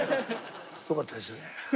よかったですね。